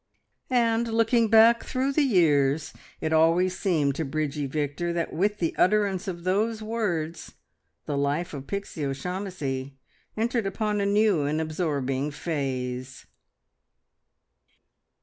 And looking back through the years, it always seemed to Bridgie Victor that with the utterance of those words the life of Pixie O'Shaughnessy entered upon a new and absorbing phase.